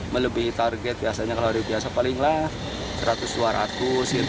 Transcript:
melebihi target biasanya kalau hari biasa palinglah seratus dua ratus gitu